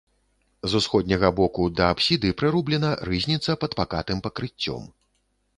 З усходняга боку да апсіды прырублена рызніца пад пакатым пакрыццём.